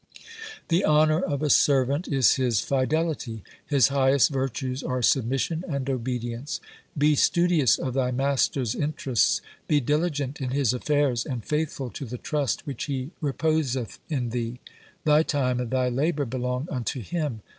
"The honour of a servant is his fidelity ; his highest virtues are submission and obedience. Be studious of thy master's interests, be diligent in his affairs, and faithful to the trust which he reposeth in thee. Thy time and thy labour belong unto him.